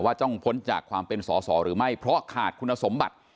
ต้องพ้นจากความเป็นสอสอหรือไม่เพราะขาดคุณสมบัติ